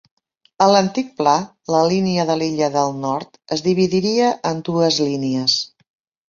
A l'antic pla, la línia de l'illa del Nord es dividiria en dues línies.